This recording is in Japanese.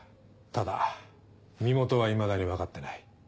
ただ身元はいまだに分かってない。